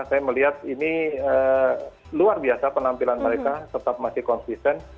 saya melihat ini luar biasa penampilan mereka tetap masih konsisten